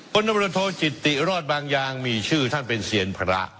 คนรับประโยชน์จิตติรอดบางอย่างมีชื่อท่านเป็นเซียนพระ